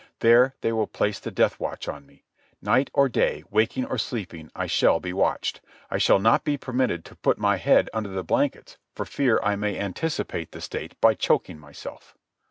There they will place the death watch on me. Night or day, waking or sleeping, I shall be watched. I shall not be permitted to put my head under the blankets for fear I may anticipate the State by choking myself.